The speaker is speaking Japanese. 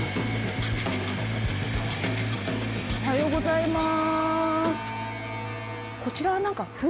おはようございます。